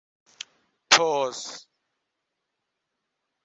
Thos.